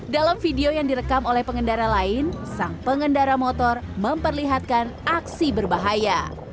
dalam video yang direkam oleh pengendara lain sang pengendara motor memperlihatkan aksi berbahaya